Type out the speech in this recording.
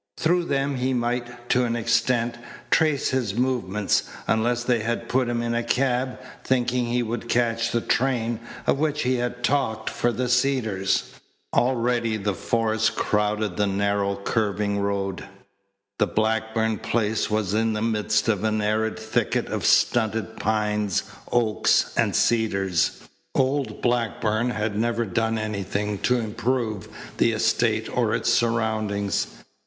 Through them he might, to an extent, trace his movements, unless they had put him in a cab, thinking he would catch the train, of which he had talked, for the Cedars. Already the forest crowded the narrow, curving road. The Blackburn place was in the midst of an arid thicket of stunted pines, oaks, and cedars. Old Blackburn had never done anything to improve the estate or its surroundings.